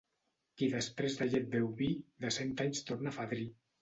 Qui després de llet beu vi, de cent anys torna fadrí.